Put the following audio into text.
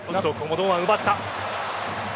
堂安、奪った。